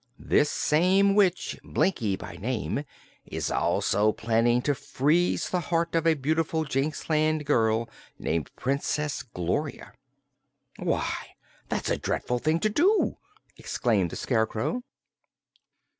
This same witch, Blinkie by name, is also planning to freeze the heart of a beautiful Jinxland girl named Princess Gloria." "Why, that's a dreadful thing to do!" exclaimed the Scarecrow.